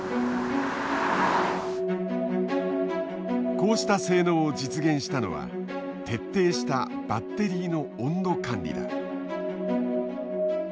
こうした性能を実現したのは徹底したバッテリーの温度管理だ。